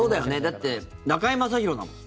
だって中居正広だもん。